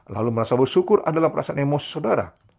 lalu merasa bersyukur adalah perasaan emosi saudara